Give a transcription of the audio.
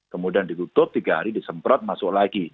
kemudian ditutup tiga hari disemprot masuk lagi